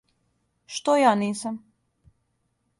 Што ја нисам!